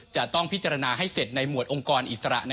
จะต้องพิจารณาให้เสร็จในหมวดองค์กรอิสระ